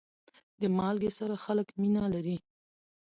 د مالګې سره خلک مینه لري.